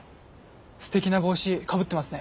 すてきな帽子かぶってますね。